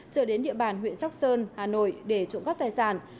trở đến địa bàn huyện sóc sơn hà nội để trộm cắp tài sản